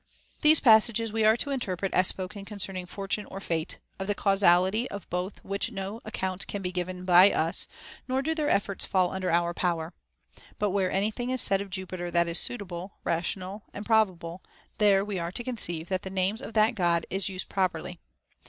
64: HOW A YOUNG MAN OUGHT These passages we are to interpret as spoken concerning Fortune or Fate, of the causality of both which no account can be given by us, nor do their effects fall under our power. But where any thing is said of Jupiter that is suitable, rational, and probable, there we are to conceive that the names of that God is used properly.